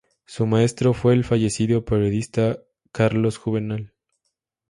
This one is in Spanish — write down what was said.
Su maestro fue el fallecido periodista Carlos Juvenal.